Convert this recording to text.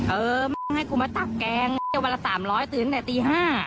เออให้กูมาตักแกงวันละ๓๐๐ตื่นแต่ตี๕